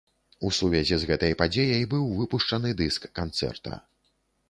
У сувязі з гэтай падзеяй быў выпушчаны дыск канцэрта.